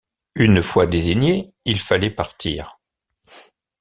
Une fois désignés, il fallait partir.